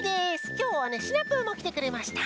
きょうはねシナプーもきてくれました。